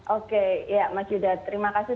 oke ya mas yuda terima kasih